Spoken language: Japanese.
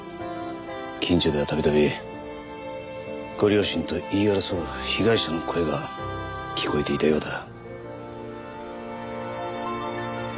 近所では度々ご両親と言い争う被害者の声が聞こえていたようだ。